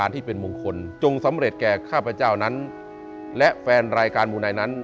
ที่เป็นมงคลจงสำเร็จแก่ข้าพเจ้านั้นและแฟนรายการมูไนท์นั้น